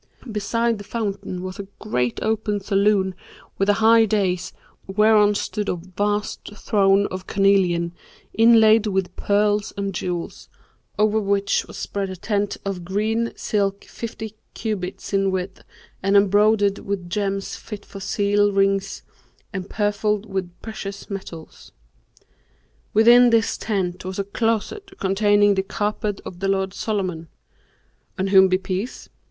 Beside the fountain was a great open saloon with a high dais whereon stood a vast throne of carnelian, inlaid with pearls and jewels, over which was spread a tent of green silk fifty cubits in width and embroidered with gems fit for seal rings and purfled with precious metals. Within this tent was a closet containing the carpet of the lord Solomon (on whom be peace!)